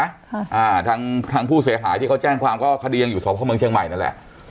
อ่าทางทางผู้เสียหายที่เขาแจ้งความก็คดียังอยู่สพเมืองเชียงใหม่นั่นแหละ